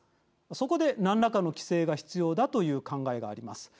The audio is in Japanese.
そこで何らかの規制が必要だという考えがあります。